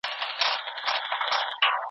ولي مدام هڅاند د وړ کس په پرتله ښه ځلېږي؟